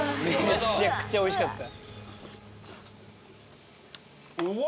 めちゃくちゃ美味しかった。